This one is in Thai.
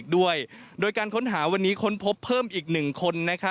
ด้วยโดยการค้นหาวันนี้ค้นพบเพิ่มอีก๑คน